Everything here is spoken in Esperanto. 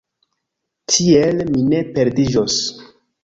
Tiel, mi ne perdiĝos.